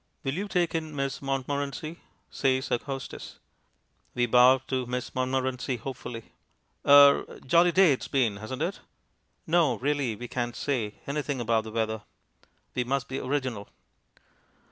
"Will you take in Miss Montmorency?" says our hostess. We bow to Miss Montmorency hopefully. "Er jolly day it's been, hasn't it?" No, really, we can't say anything about the weather. We must be original.